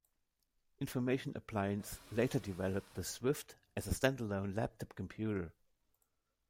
Information Appliance later developed the Swyft as a stand-alone laptop computer.